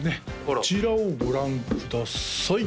こちらをご覧ください